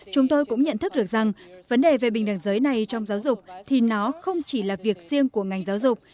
chúng tôi cũng nhận thức được rằng vấn đề về bình đẳng giới này trong giáo dục thì nó không chỉ là việc riêng của ngành giáo dục